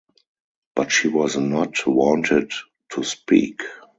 But she was not wanted to speak.